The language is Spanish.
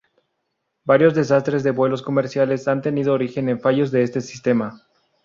Varios desastres de vuelos comerciales han tenido origen en fallos de este sistema.